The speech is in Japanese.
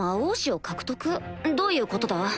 どういうことだ？